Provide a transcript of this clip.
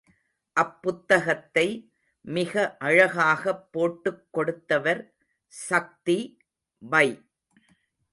அப்புத்தகத்தை மிகஅழகாகப் போட்டுக் கொடுத்தவர் சக்தி வை.